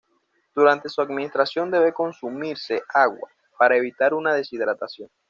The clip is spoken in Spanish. Durante su administración debe consumirse agua, para evitar una deshidratación.